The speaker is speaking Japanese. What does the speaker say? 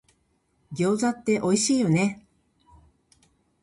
餃子っておいしいよね